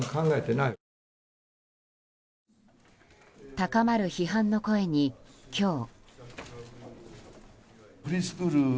高まる批判の声に、今日。